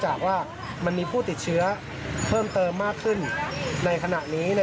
นะครับมอร์ถือสิ่งไปเจออ่ะ